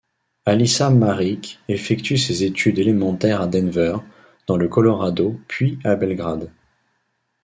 Alisa Marić effectue ses études élémentaires à Denver, dans le Colorado, puis à Belgrade.